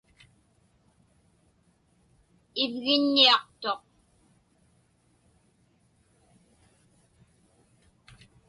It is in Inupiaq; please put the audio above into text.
Ivġiññiaqtuq.